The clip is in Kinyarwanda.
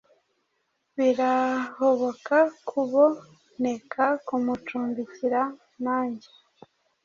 Birahoboka kuboneka kumucumbikira na njye